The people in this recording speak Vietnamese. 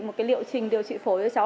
một liệu trình điều trị phổi cho cháu